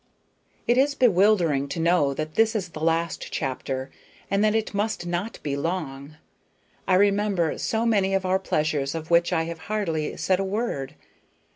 It is bewildering to know that this is the last chapter, and that it must not be long. I remember so many of our pleasures of which I have hardly said a word.